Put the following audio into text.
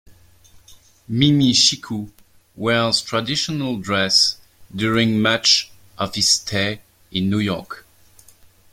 Mimi-Siku wears traditional dress during much of his stay in New York.